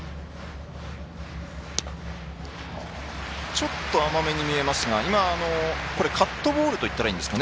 ちょっと甘めに見えますがカットボールといったらいいんですか。